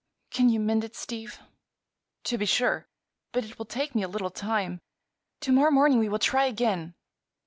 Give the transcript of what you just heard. "Can you mend it, Steve?" "To be sure; but it will take me a little time. To morrow morning we will try again."